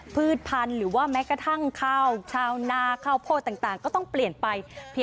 พืชพันธุ์หรือว่าแม้กระทั่งข้าวชาวนาข้าวโพดต่างก็ต้องเปลี่ยนไป